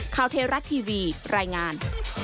ข่าวเทรักทีวีรายงาน